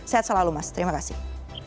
sehat selalu mas terima kasih